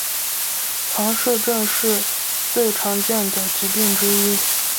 唐氏症是最常见的疾病之一。